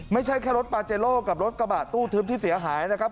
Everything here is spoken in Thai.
ไม่ใช่แค่รถปาเจโลกับรถกระบะตู้ทึบที่เสียหายนะครับ